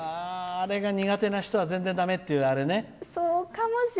あれが苦手な人は全然、だめってあれね。